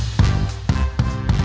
ya cantik banget